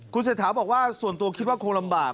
คุณเศรษฐาบอกว่าส่วนตัวคิดว่าคงลำบาก